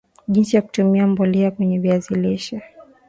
jinsi ya kutumia mbolea kwenye viazi lishe